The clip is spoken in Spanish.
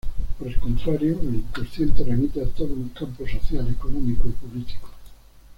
Por el contrario, el inconsciente remite a todo un campo social, económico y político.